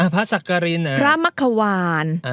พระมะขวาน